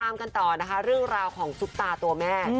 ตามกันต่อนะคะเรื่องราวของซุปตาตัวแม่